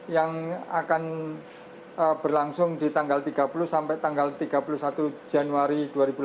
yang akan berlangsung di tanggal tiga puluh tiga puluh satu januari dua ribu delapan belas